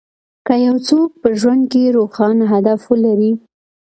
که يو څوک په ژوند کې روښانه هدف ولري.